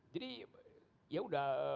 jadi ya sudah